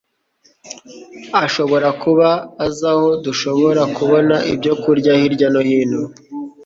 ashobora kuba azi aho dushobora kubona ibyo kurya hirya no hino.